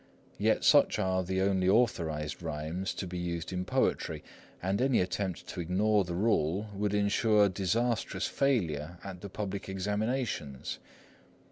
Yet such are the only authorised rhymes to be used in poetry, and any attempt to ignore the rule would insure disastrous failure at the public examinations.